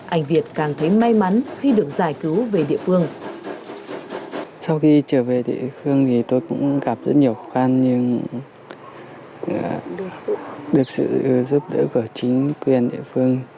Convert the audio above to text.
anh việt càng thấy may mắn khi được giải cứu về địa phương